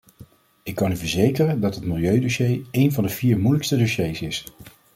Ik kan u verzekeren dat het milieudossier één van de vier moeilijkste dossiers is.